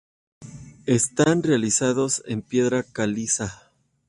Están realizados en piedra caliza.